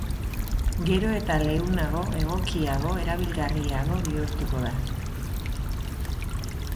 Gero eta leunago, egokiago, erabilgarriago bihurtuko da.